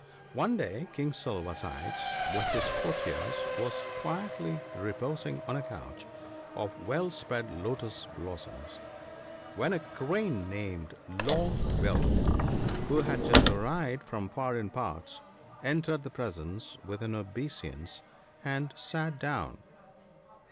One day King Silver sides, with his courtiers, was quietly reposing on a couch of well spread lotus blossoms, when a Crane, named * Long bill/ who had just arrived from foreign parts, entered the presence with an obeisance, and sat down.